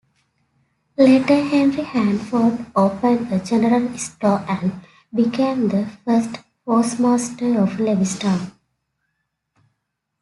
Later Henry Hanford opened a general store and became the first postmaster of Lewistown.